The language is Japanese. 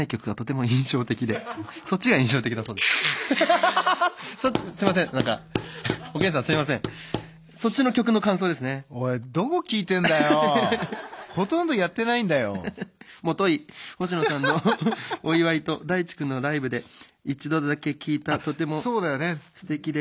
「もとい星野さんのお祝いと大知くんのライブで１度だけ聴いたとても素敵で」。